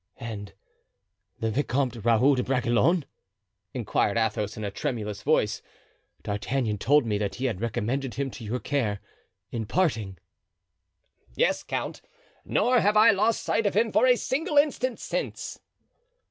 "And the Vicomte Raoul de Bragelonne?" inquired Athos, in a tremulous voice. "D'Artagnan told me that he had recommended him to your care, in parting." "Yes, count; nor have I lost sight of him for a single instant since."